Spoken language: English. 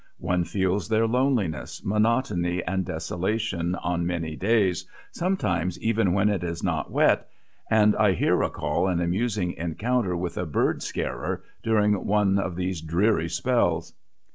One feels their loneliness, monotony, and desolation on many days, sometimes even when it is not wet, and I here recall an amusing encounter with a bird scarer during one of these dreary spells.